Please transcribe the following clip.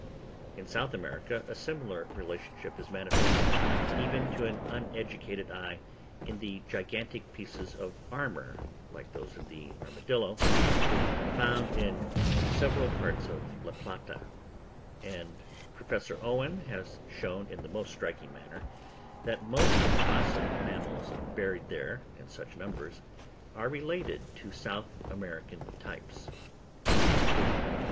In South America, a similar relationship is manifest, even to an uneducated eye, in the gigantic pieces of armour, like those of the armadillo, found in several parts of La Plata; and Professor Owen has shown in the most striking manner that most of the fossil mammals, buried there in such numbers, are related to South American types.